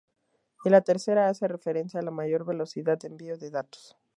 Y la tercera hace referencia a la mayor velocidad de envío de datos.